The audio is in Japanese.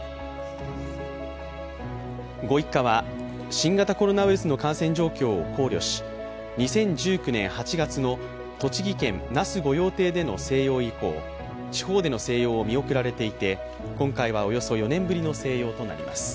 ご一家は新型コロナウイルスの感染状況を考慮し２０１９年８月の栃木県・那須御用邸での静養以降、地方での静養を見送られていて、今回はおよそ４年ぶりの静養となります。